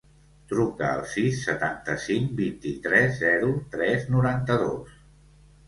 Truca al sis, setanta-cinc, vint-i-tres, zero, tres, noranta-dos.